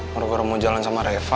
mereka mau jalan sama reva